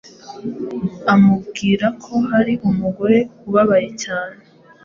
amubwira ko hari umugore ubabaye cyane